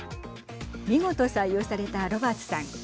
見事採用されたロバーツさん。